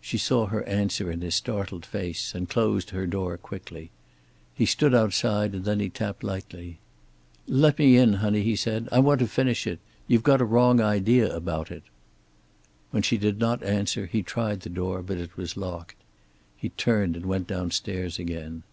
She saw her answer in his startled face, and closed her door quickly. He stood outside, and then he tapped lightly. "Let me in, honey," he said. "I want to finish it. You've got a wrong idea about it." When she did not answer he tried the door, but it was locked. He turned and went downstairs again...